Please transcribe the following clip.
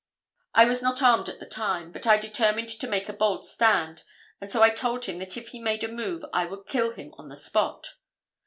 I was not armed at the time, but I determined to make a bold stand, and so I told him that if he made a move I would kill him on the spot.